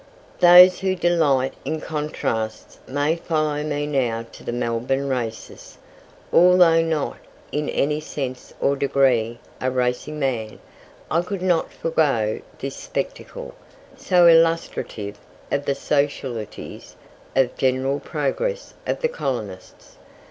Those who delight in contrasts may follow me now to the Melbourne Races. Although not, in any sense or degree, "a racing man," I could not forego this spectacle, so illustrative of the socialities and general progress of the colonists.